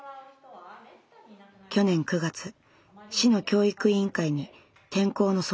去年９月市の教育委員会に転校の相談をしました。